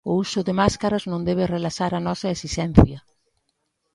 O uso de máscaras non debe relaxar a nosa esixencia.